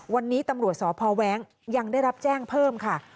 วันนี้ตำรวจสพแว้งยังได้รับแจ้งเพิ่มค่ะ